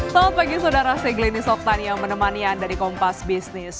selamat pagi saudara segelini soktania menemani anda di kompas bisnis